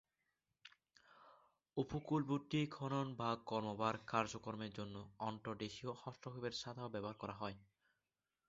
উপকূলবর্তী খনন বা কর্মভার কার্যক্রমের জন্য অন্তর্দেশীয় হস্তক্ষেপের ছাতাও ব্যবহার করা হয়।